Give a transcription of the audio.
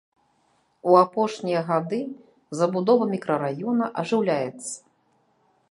У апошнія гады забудова мікрараёна ажыўляецца.